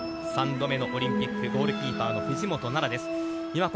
３度目のオリンピック、ゴールキーパーの藤本那菜です。